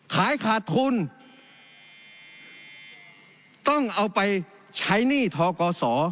ขายขาดทุนต้องเอาไปใช้หนี้ทกศ